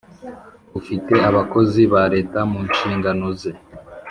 ufite abakozi ba leta mu nshingano ze